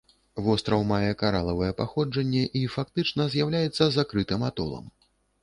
Востраў мае каралавае паходжанне і фактычна з'яўляецца закрытым атолам.